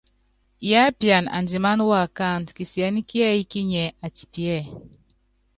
Yiápian andimáná uákáandú, kisiɛ́nɛ́ kíɛ́yi kínyiɛ́ atipiɛ́.